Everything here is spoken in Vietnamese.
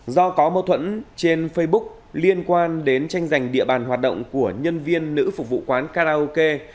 do có mâu thuẫn trên facebook liên quan đến tranh giành địa bàn hoạt động của nhân viên nữ phục vụ quán karaoke